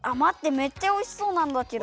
めっちゃおいしそうなんだけど！